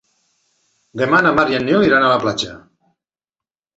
Demà na Mar i en Nil iran a la platja.